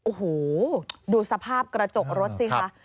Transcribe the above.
โอ้โหดูสภาพกระจกรถสิคะ